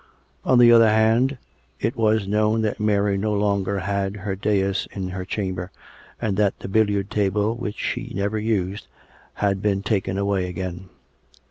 On the other hand, it was known that Mary no longer had her dais in her chamber, and that the billiard table, which she never used, had been taken away again.